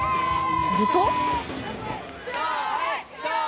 すると。